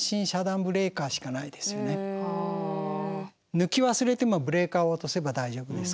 抜き忘れてもブレーカーを落とせば大丈夫ですから。